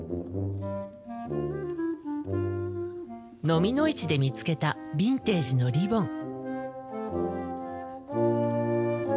のみの市で見つけたビンテージのリボン。